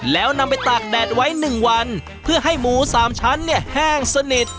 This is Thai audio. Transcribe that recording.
แล้วนำไปตากแดดไว้๑วันเพื่อให้หมูสามชั้นเนี่ยแห้งสนิท